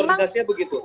saya koordinasinya begitu